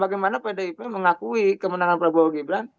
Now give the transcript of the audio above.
bagaimana pdip mengakui kemenangan prabowo gibran